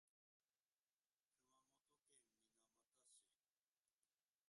熊本県水俣市